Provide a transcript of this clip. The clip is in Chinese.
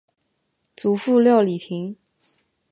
祖父廖礼庭。